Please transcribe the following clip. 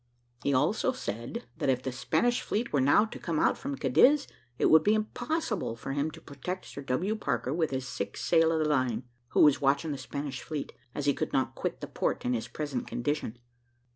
He also said, that if the Spanish fleet were now to come out from Cadiz, it would be impossible for him to protect Sir W. Parker with his six sail of the line, who was watching the Spanish fleet, as he could not quit the port in his present condition.